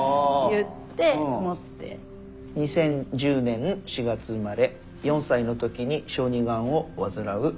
「２０１０年４月生まれ４歳のときに小児がんを患う。